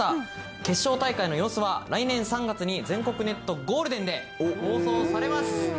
決勝大会の様子は、来年３月に全国ネットゴールデンで放送されます。